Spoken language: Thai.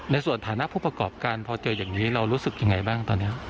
ในฐานะผู้ประกอบการพอเจออย่างนี้เรารู้สึกยังไงบ้างตอนนี้